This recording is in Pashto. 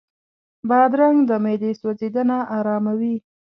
بادرنګ د معدې سوځېدنه آراموي.